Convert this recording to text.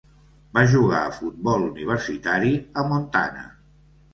Va jugar a futbol universitari a Montana.